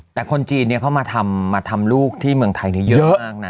แต่คนจีนเนี้ยเขามาทำมาทำลูกที่เมืองไทยเนี้ยเยอะมากนะ